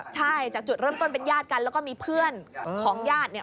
ใช่จากจุดเริ่มต้นเป็นญาติกันแล้วก็มีเพื่อนของญาติเนี่ย